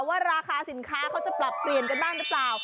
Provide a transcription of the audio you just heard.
ว่าราคาสินค้าเขาจะปรับเปลี่ยนกันบ้างหรือเปล่า